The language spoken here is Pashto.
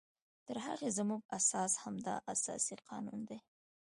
تر هغې زمونږ اساس همدا اساسي قانون دی